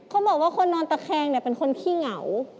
เขาบอกว่าคนนอนตะแคงเนี่ยเป็นคนขี้เหงา